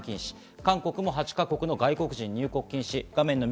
韓国も８か国の外国人の入国禁止。